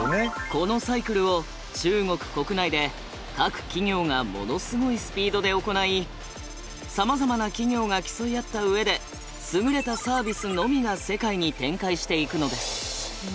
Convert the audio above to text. このサイクルを中国国内で各企業がものすごいスピードで行いさまざまな企業が競い合った上で優れたサービスのみが世界に展開していくのです。